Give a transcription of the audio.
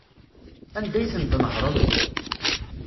Anda ay tent-tnehṛeḍ?